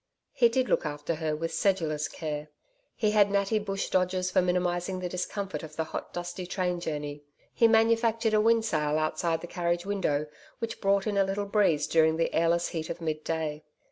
He did look after her with sedulous care. He had natty bush dodges for minimising the discomfort of the hot, dusty train journey. He manufactured a windsail outside the carriage window, which brought in a little breeze during the airless heat of mid day.